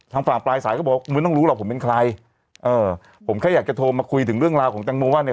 ทางฝั่งปลายสายก็บอกว่าไม่ต้องรู้หรอกผมเป็นใครเออผมแค่อยากจะโทรมาคุยถึงเรื่องราวของแตงโมว่าเนี่ย